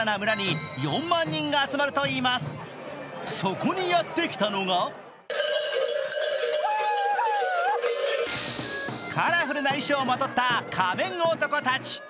そこにやってきたのがカラフルな衣装をまとった仮面男たち。